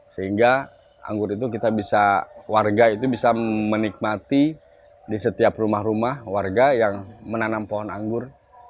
sehingga anggur itu kita bisa warga itu bisa menikmati di setiap rumah rumah warga yang menanam pohon anggur